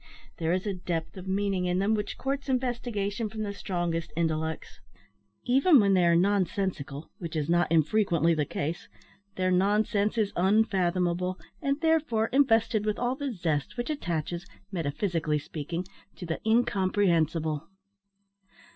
There is a depth of meaning in them which courts investigation from the strongest intellects. Even when they are nonsensical, which is not unfrequently the case, their nonsense is unfathomable, and, therefore, invested with all the zest which attaches, metaphysically speaking, to the incomprehensible.